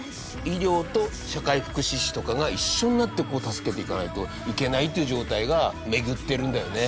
医療と社会福祉士とかが一緒になって助けていかないといけないという状態が巡ってるんだよね。